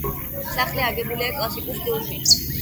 სახლი აგებულია კლასიკურ სტილში.